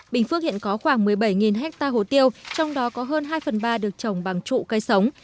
bình phước hiện có khoảng một mươi bảy ha hồ tiêu trong đó có hơn hai phần ba được trồng bằng trụ cây sống